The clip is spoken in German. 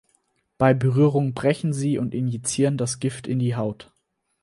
Bei Berührung brechen sie und injizieren das Gift in die Haut.